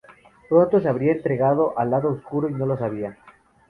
Pronto se habría entregado al lado oscuro y no lo sabía.